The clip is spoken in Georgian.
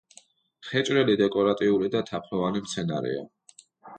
ხეჭრელი დეკორატიული და თაფლოვანი მცენარეა.